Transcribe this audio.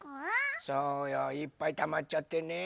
そうよいっぱいたまっちゃってね